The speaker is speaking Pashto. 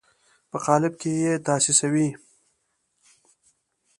په قالب کې یې تاسیسوي.